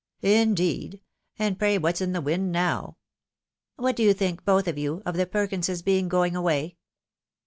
" Indeed ! and pray what's in the wind now ?"" What do yoa think, both of you, of the Perkinses being going away?"